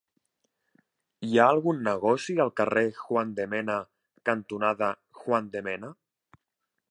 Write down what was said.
Hi ha algun negoci al carrer Juan de Mena cantonada Juan de Mena?